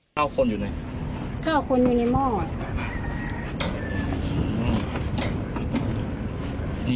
ข้าวคนอยู่ไหนข้าวคนอยู่ในหม้ออ่ะ